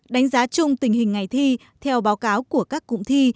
đánh giá chung tình hình ngày thi theo báo cáo của các cụm thi